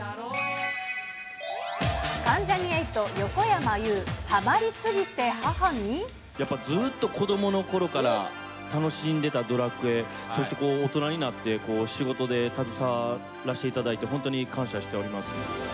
関ジャニ∞・横山裕、やっぱりずっと子どものころから楽しんでいたドラクエ、そして大人になって、仕事で携わらせていただいて、本当に感謝しております。